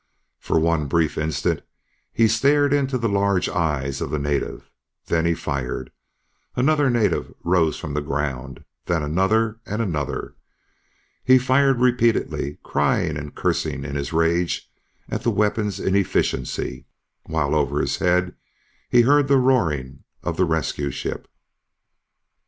For one brief instant, he stared into the large eyes of the native. Then he fired. Another native rose from the ground, then another and another. He fired repeatedly, crying and cursing in his rage at the weapon's inefficiency, while over his head he heard the roaring of the rescue ship.